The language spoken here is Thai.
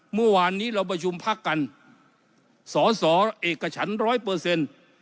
เมื่อวานนี้เราประชุมพักกันสอสอเอกฉันร้อยเปอร์เซ็นต์